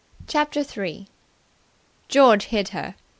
CHAPTER 3. George hid her.